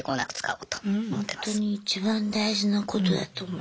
ほんとに一番大事なことだと思いますよ。